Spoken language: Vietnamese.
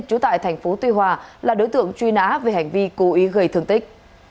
trú tại tp tuy hòa là đối tượng truy nã về hành vi cố ý gây thương tích